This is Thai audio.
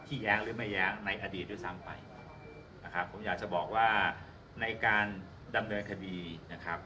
แย้งหรือไม่แย้งในอดีตด้วยซ้ำไปนะครับผมอยากจะบอกว่าในการดำเนินคดีนะครับ